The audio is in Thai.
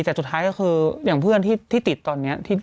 แต่สุดท้ายก็คืออย่างเพื่อนที่ติดตอนนี้